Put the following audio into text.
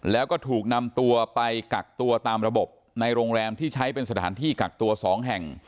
แล้วก็ถูกนำตัวไปกักตัวตามระบบในโรงแรมที่ใช้เป็นสถานที่กักตัว๒แห่ง